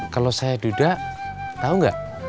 kalau saya duduk tahu nggak